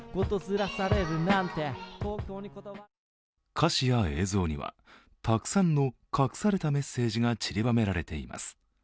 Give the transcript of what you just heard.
歌詞や映像には、たくさんの隠されたメッセージがちりばめられています。